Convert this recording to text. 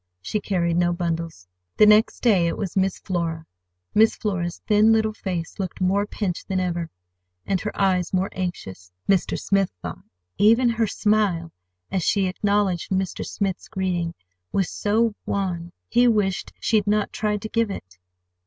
She carried no bundle. The next day it was Miss Flora. Miss Flora's thin little face looked more pinched than ever, and her eyes more anxious, Mr. Smith thought. Even her smile, as she acknowledged Mr. Smith's greeting, was so wan he wished she had not tried to give it.